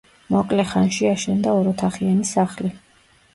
მოკლე ხანში აშენდა ოროთახიანი სახლი.